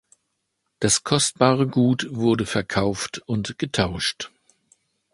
Das kostbare Gut wurde verkauft und getauscht.